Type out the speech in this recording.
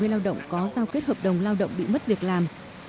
bốn trăm bảy mươi lao động có giao kết hợp đồng lao động bị mất việc làm